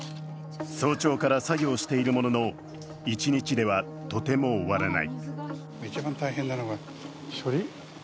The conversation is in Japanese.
早朝から作業しているものの、一日ではとても終わらない。